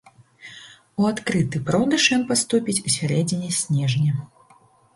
У адкрыты продаж ён паступіць у сярэдзіне снежня.